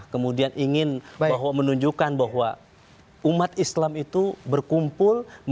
kemudian ingin bahwa menunjukkan bahwa umat islam itu berkumpul